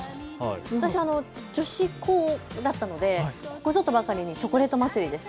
私は女子校だったので、ここぞとばかりにチョコレート祭りでした。